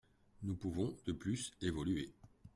Nous pouvons, de plus, évoluer.